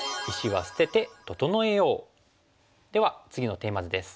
では次のテーマ図です。